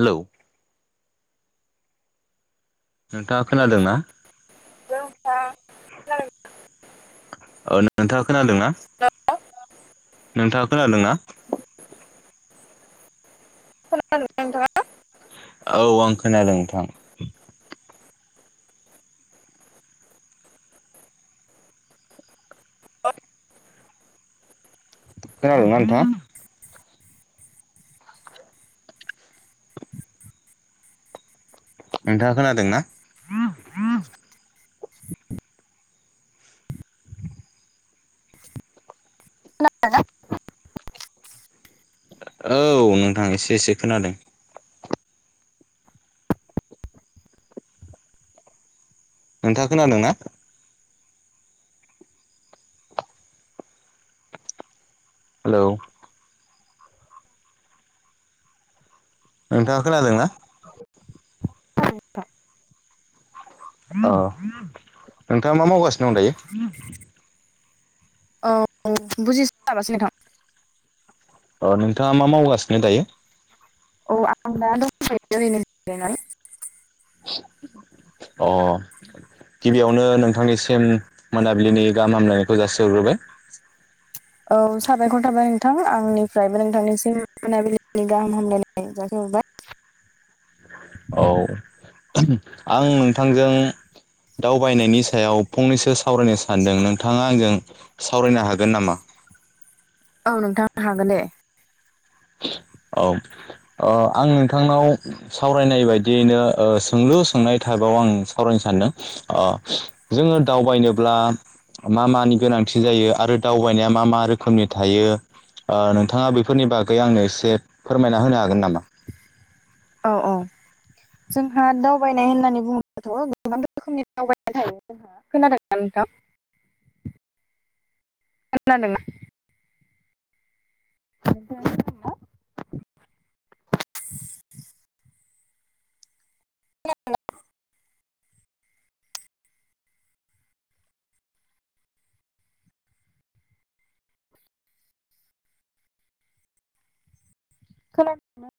Hello नोंथाङा खोनादोंना? Hello नोंथां ओ नोंथाङा खोनादोंना? नोंथाङा खोनादोंना? खोनादोंना नोंथाङा? औ आं खोनादों नोंथां खोनादोंना नोंथाङा? नोंथाङा खोनादोंना? खोनादोंना? औ नोंथां इसे इसे खोनादों नोंथाङा खोनादों ना? हेलौ नोंथाङा खोनादोंना? [unintelligible] अ नोंथाङा मा मावगासिनो दं दायो? औ बुजिसाबासै नोंथां अ नोंथाङा मा मावगासिनो दायो? औ आं दा दंथ'यो आरैनो जिरायनानै अ गिबियावनो नोंथांनिसिम मोनाबिलिनि गाहाम हामलायनायखौ जासिहरग्रोबाय औ साबायखर थाबाय नोंथां आंनिफ्रायबो नोंथांनिसिम मोनाबिलिनि गाहाम हामलायनाय जासिहरबाय औ आं नोंथांजों दावबायनायनि सायाव फंनैसो सावरायनो सानदों नोंथाङा आंजों सावरायनो हागोन नामा? औ नोंथाङा हागोन दे औ अ आं नोंथांनाव सावरायनाय बायदियैनो ओ सोंलु सोंनाय बाव आं खावरायनो सानदों अ जोङो दावबायनोब्ला मा मानि गोनांथि जायो आरो दावबायनाया मा मा रोखोमनि थायो आ नोंथाङा बेफोरनि बागै आंनो एसे फोरमायना होनो हागोन नामा औ औ जोंहा दावबायनाय होननानै बुङोबथ' गोबां रोखोमनि दावबायनाय थायो खोनादों ना नोंथां? खोनांदोंना? [inaudible] खोनादोंना खोना